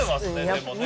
でもね